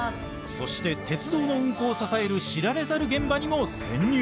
そして鉄道の運行を支える知られざる現場にも潜入。